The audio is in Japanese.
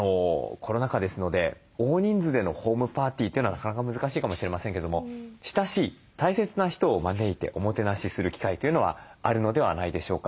コロナ禍ですので大人数でのホームパーティーというのはなかなか難しいかもしれませんけども親しい大切な人を招いておもてなしする機会というのはあるのではないでしょうか。